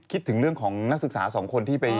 คิดถึงเรื่องของนักศึกษาสองคนที่ไป